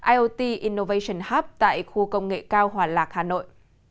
iot innovation hub tại khu công nghệ cao hòa lạc hà nội